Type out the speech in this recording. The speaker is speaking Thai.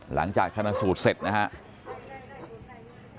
หลังจากชนะสูตรเสร็จนะครับ